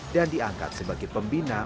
dan diangkat sebagai pembina